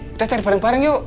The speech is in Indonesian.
kita cari bareng bareng yuk